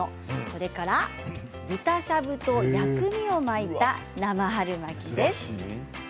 それから豚しゃぶと薬味を巻いた生春巻きです。